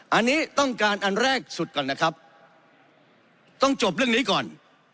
อันนี้ต้องการอันแรกสุดก่อนนะครับต้องจบเรื่องนี้ก่อน